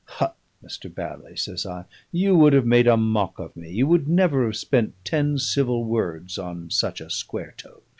"Hut, Mr. Bally," says I, "you would have made a mock of me; you would never have spent ten civil words on such a Square toes."